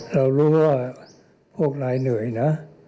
เรารู้ว่าพวกนายเหนื่อยนะ